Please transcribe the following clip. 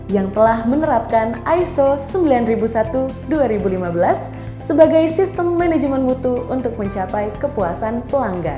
yang telah menerapkan iso sembilan ribu satu dua ribu lima belas sebagai sistem manajemen mutu untuk mencapai kepuasan pelanggan